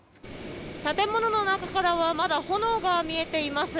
建物の中からはまだ炎が見えています。